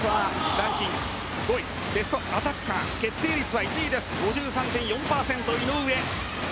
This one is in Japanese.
ランキング５位ベストアタッカー決定率は１位５３．４％の井上。